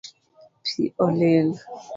Pi olil